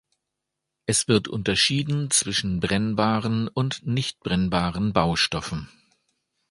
Es wird unterschieden zwischen brennbaren und nicht brennbaren Baustoffen.